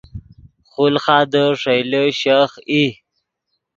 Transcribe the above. خولخادے ݰئیلے شیخ ای